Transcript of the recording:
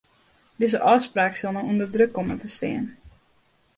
Dizze ôfspraak sil no ûnder druk komme te stean.